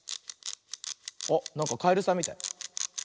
あっなんかカエルさんみたい。